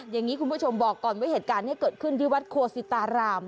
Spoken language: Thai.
อย่างนี้คุณผู้ชมบอกก่อนว่าเหตุการณ์นี้เกิดขึ้นที่วัดโคสิตาราม